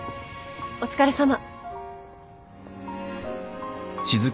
お疲れさま。